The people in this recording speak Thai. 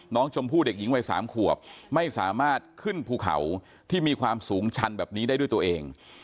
น้องชมพู่เด็กหญิงวัย๓ขวบไม่สามารถขึ้นภูเขาที่มีความสูงชันแบบนี้ได้ด้วยตัวเอง